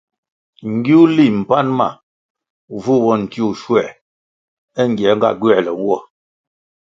Ngiwuli mpan wa vu bo ntiwuh schuer é ngierga gywerle nwo.